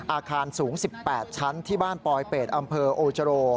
อาคารสูง๑๘ชั้นที่บ้านปลอยเป็ดอำเภอโอจโร